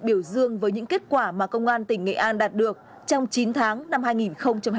biểu dương với những kết quả mà công an tỉnh nghệ an đạt được trong chín tháng năm hai nghìn hai mươi ba